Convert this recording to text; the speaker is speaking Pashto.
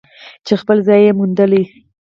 چې خپل ځای یې موندلی.